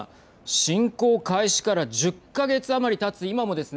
侵攻開始から１０か月余りたつ今もですね